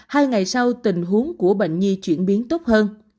hai ngày sau tình huống của bệnh nhi chuyển biến tốt hơn